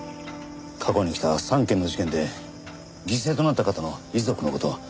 過去に起きた３件の事件で犠牲となった方の遺族の事を。